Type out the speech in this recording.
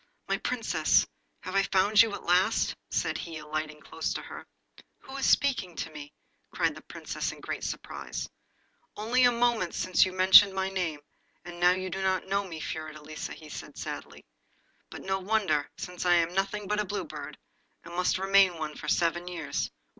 'My Princess! have I found you at last?' said he, alighting close to her. 'Who is speaking to me?' cried the Princess in great surprise. 'Only a moment since you mentioned my name, and now you do not know me, Fiordelisa,' said he sadly. 'But no wonder, since I am nothing but a Blue Bird, and must remain one for seven years.